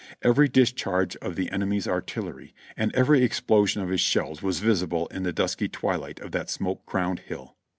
Every discharge of the enemy's artillery and every explosion of his shells was visible in the dusky twilight of that smoke crowned hill.